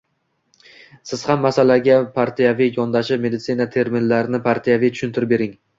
Siz ham masalaga partiyaviy yondashib, meditsina terminlarini partiyaviy tushuntirib bering.